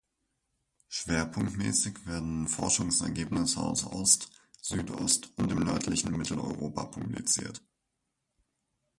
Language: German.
Schwerpunktmäßig werden Forschungsergebnisse aus Ost-, Südost- und dem nördlichen Mitteleuropa publiziert.